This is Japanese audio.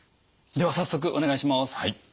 では早速お願いします。